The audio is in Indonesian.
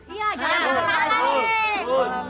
iya jangan berpala nih